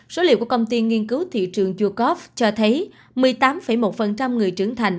số liệu của công ty nghiên cứu thị trường jukov cho thấy một mươi tám một người trưởng thành